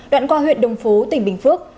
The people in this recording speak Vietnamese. đoạn qua huyện đồng phú tỉnh bình phước